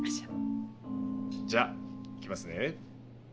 じゃあいきますね。